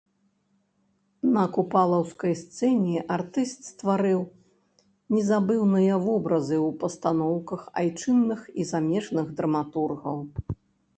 На купалаўскай сцэне артыст стварыў незабыўныя вобразы ў пастаноўках айчынных і замежных драматургаў.